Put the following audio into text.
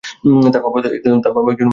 তার বাবা একজন নির্মাতা।